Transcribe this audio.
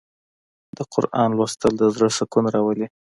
د قرآن لوستل د زړه سکون راولي.